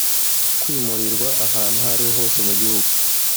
kwimurirwa ahantu aho ari ho hose mu gihugu